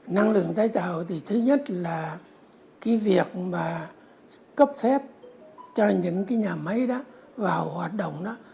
năng lượng tái tạo thì thứ nhất là cái việc mà cấp phép cho những cái nhà máy đó vào hoạt động đó